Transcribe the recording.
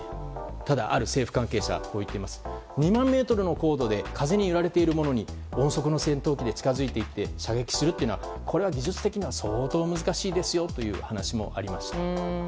ただ、ある政府関係者は２万ｍの高度で風に揺られているものに音速の戦闘機で近づいていって射撃するというのは技術的には相当難しいですよという話もありました。